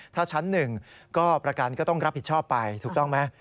ถ้าชั้น๑ก็ประกันก็ต้องรับผิดชอบไปถูกต้องไหม